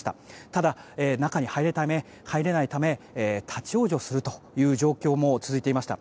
ただ中に入れないため立ち往生するという状況も続いていました。